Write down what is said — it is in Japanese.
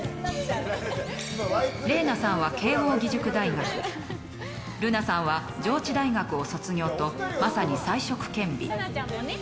玲奈さんは慶應義塾大学瑠奈さんは上智大学を卒業とまさに才色兼備。